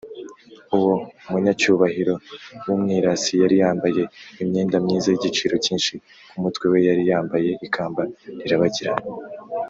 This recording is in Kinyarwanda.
uwo munyacyubahiro w’umwirasi yari yambaye imyenda myiza y’igiciro cyinshi ku mutwe we yari yambaye ikamba rirabagirana